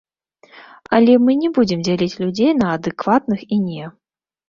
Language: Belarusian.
Але мы не будзем дзяліць людзей на адэкватных і не.